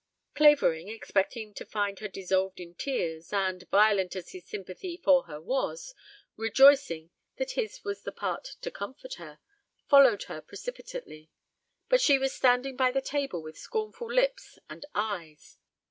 Clavering, expecting to find her dissolved in tears, and, violent as his sympathy for her was, rejoicing that his was the part to comfort her, followed her precipitately. But she was standing by the table with scornful lips and eyes.